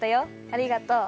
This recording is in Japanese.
ありがとう！